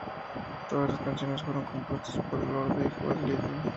Todas las canciones fueron compuestas por Lorde y Joel Little